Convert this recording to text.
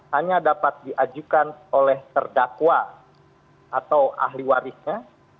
hanya dapat diajukan oleh terdakwa atau ahli warisnya